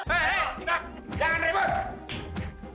hei jangan ribet